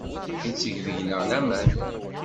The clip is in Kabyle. Yetteg deg-neɣ laman.